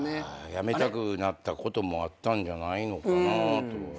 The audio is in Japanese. やめたくなったこともあったんじゃないのかなとは。